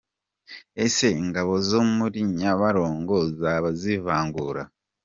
ese ingona zo muri Nyabarongo zaba zivangura ?